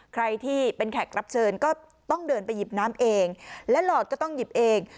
ใครที่เป็นแขกรับเชิญก็ต้องเดินไปหยิบน้ำเองและหลอดก็ต้องหยิบเอง